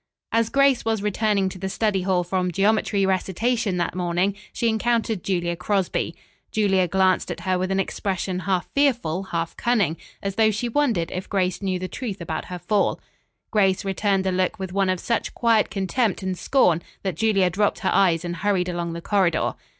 As Grace was returning to the study hall from geometry recitation that morning, she encountered Julia Crosby. Julia glanced at her with an expression half fearful, half cunning, as though she wondered if Grace knew the truth about her fall. Grace returned the look with one of such quiet contempt and scorn that Julia dropped her eyes and hurried along the corridor.